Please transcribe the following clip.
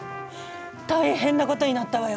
大変なことになったわよ。